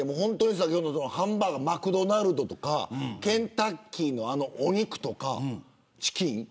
マクドナルドとかケンタッキーのお肉とかチキン。